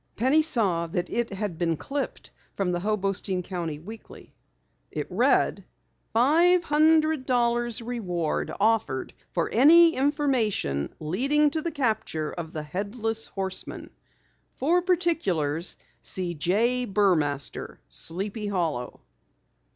Penny saw that it had been clipped from the Hobostein County Weekly. It read: "Five hundred dollars reward offered for any information leading to the capture of the Headless Horseman. For particulars see J. Burmaster, Sleepy Hollow."